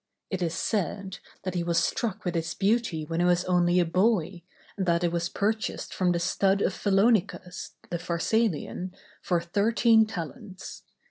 It is said, that he was struck with its beauty when he was only a boy, and that it was purchased from the stud of Philonicus, the Pharsalian, for thirteen talents.